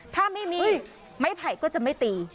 ถ้าไม่มีไม้ไผ่ก็จะไม่ตี